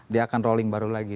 dia akan rolling baru lagi